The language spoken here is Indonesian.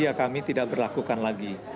ya kami tidak berlakukan lagi